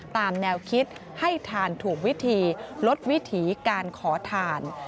ตามแนวคิดให้ทานถูกวิธีลดวิถีการขอทาน